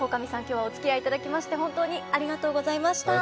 今日はおつきあいいただきまして本当にありがとうございました。